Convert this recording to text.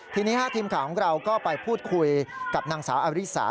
ทีนี้ทีมข่าวของเราก็ไปพูดคุยกับนางสาวอาริสา